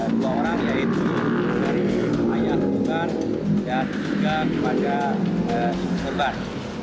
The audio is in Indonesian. dua orang yaitu dari ayah korban dan juga kepada korban